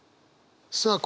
さあ